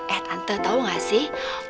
eh tante tau gak sih